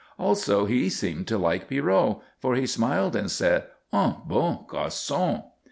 Also he seemed to like Pierrot, for he smiled, and said, "Un bon garçon."